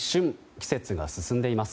季節が進んでいます。